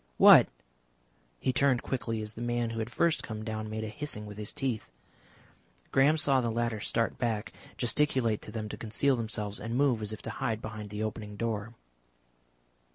What?" He turned quickly as the man who had first come down made a hissing with his teeth. Graham saw the latter start back, gesticulate to them to conceal themselves, and move as if to hide behind the opening door.